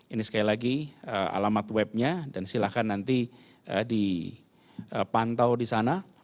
ini sekali lagi alamat webnya dan silahkan nanti dipantau di sana